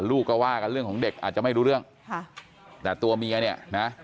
ลูกก็ว่ากันเรื่องของเด็กอาจจะไม่รู้เรื่องค่ะแต่ตัวเมียเนี่ยนะ